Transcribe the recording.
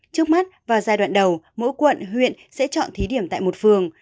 trước mắt và giai đoạn đầu mỗi quận huyện sẽ chọn thí điểm tại một phường